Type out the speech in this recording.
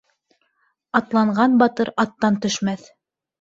Атланған батыр аттан төшмәҫ.